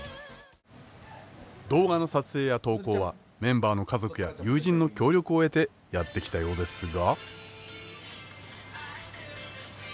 動画の撮影や投稿はメンバーの家族や友人の協力を得てやってきたようですが。